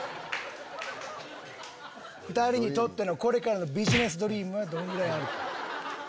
２人にとってのこれからのビジネスドリームはどのぐらいある？